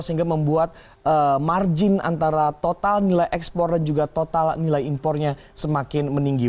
sehingga membuat margin antara total nilai ekspor dan juga total nilai impornya semakin meninggi